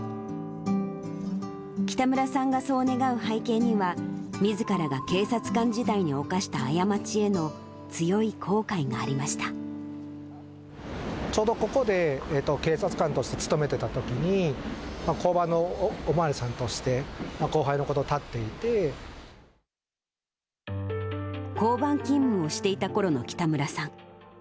北村さんがそう願う背景には、みずからが警察官時代に犯した過ちょうどここで、警察官として勤めてたときに、交番のお巡りさんとして、後輩の交番勤務をしていたころの北村さん。